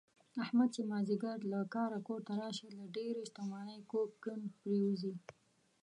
احمد چې مازدیګر له کاره کورته راشي، له ډېرې ستومانۍ کوږ کیڼ پرېوځي.